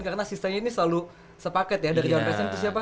karena asisten ini selalu sepaket ya dari jalan pesan itu siapa